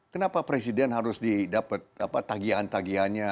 kenapa presiden harus didapat tagihan tagihannya